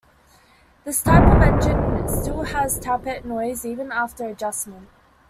This type of engine still has tappet noise even after adjustment.